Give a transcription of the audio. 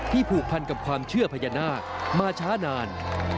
ผูกพันกับความเชื่อพญานาคมาช้านาน